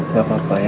gak apa apa ya